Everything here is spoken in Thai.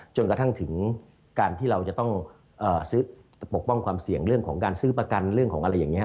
จนกระทั่งถึงการที่เราจะต้องปกป้องความเสี่ยงเรื่องของการซื้อประกันเรื่องของอะไรอย่างนี้